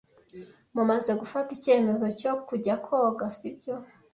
Mumaze gufata icyemezo cyo kujya koga, sibyo?